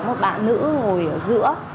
một bạn nữ ngồi ở giữa